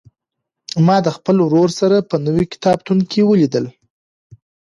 ما د خپل ورور سره په نوي کتابتون کې ولیدل.